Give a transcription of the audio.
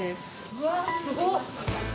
うわすごっ！